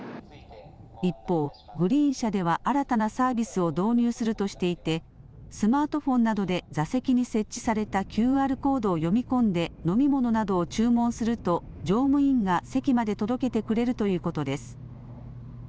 一方、グリーン車では新たなサービスを導入するとしていてスマートフォンなどで座席に設置されたＱＲコードを読み込んで飲み物などを注文すると乗務員が席まで届けてくれるということです。